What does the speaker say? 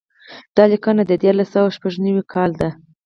دا لیکنه د دیارلس سوه شپږ نوي کال ده.